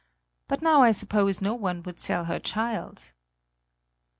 But now I suppose no one would sell her child."